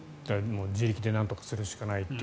自力でなんとかするしかないと。